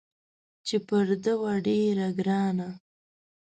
چې پر ده وه ډېره ګرانه